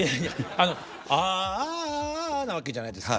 あの「ああああ」なわけじゃないですか。